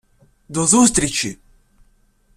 До зустрічі!